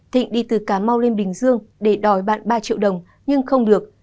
thịnh đi từ cà mau lên bình dương để đòi bạn ba triệu đồng nhưng không được